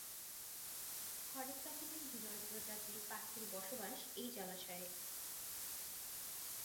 হরেক রকমের বিরল প্রজাতির পাখির বসবাস এই জলাশয়ে।